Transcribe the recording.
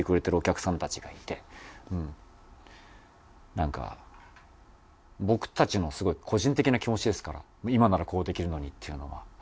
なんか僕たちのすごい個人的な気持ちですから「今ならこうできるのに」っていうのは。